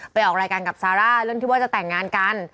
ไปออกรายการกับซาร่าเรื่องที่ว่าจะแต่งงานกัน